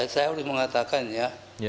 saya harus mengatakan ya